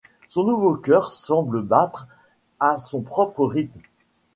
Son nouveau cœur semble battre à son propre rythme.